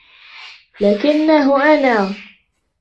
لَكِنَّهُ أَنَا